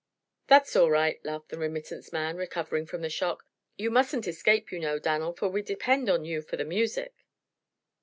"That's all right," laughed the remittance man, recovering from the shock. "You mustn't escape, you know, Dan'l, for we depend on you for the music."